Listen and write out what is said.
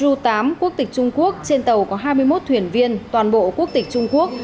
trước đó tàu hà ngu ru tám quốc tịch trung quốc trên tàu có hai mươi một thuyền viên toàn bộ quốc tịch trung quốc